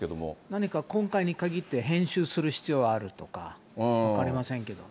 何か今回に限って、編集する必要あるとか、分かりませんけど。